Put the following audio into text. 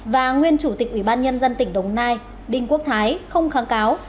và nguyên chủ tịch ủy ban nhân dân tỉnh đồng nai đinh quốc thái không kháng cáo